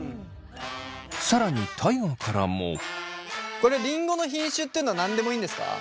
これりんごの品種っていうのは何でもいいんですか？